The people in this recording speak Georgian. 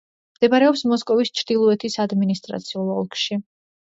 მდებარეობს მოსკოვის ჩრდილოეთის ადმინისტრაციულ ოლქში.